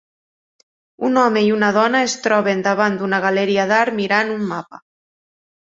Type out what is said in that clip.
Un home i una dona es troben davant d'una galeria d'art, mirant un mapa.